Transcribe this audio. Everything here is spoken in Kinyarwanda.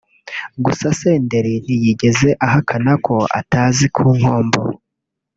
Gusa Senderi ntiyigeze ahakana ko atazi ku Nkombo